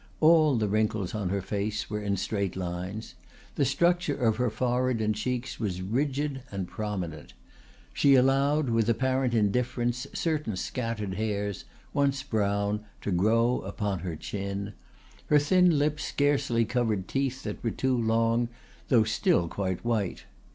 All the wrinkles on her face were in straight lines. The structure of her forehead and cheeks was rigid and prominent. She allowed, with apparent indifference, certain scattered hairs, once brown, to grow upon her chin. Her thin lips scarcely covered teeth that were too long, though still quite white.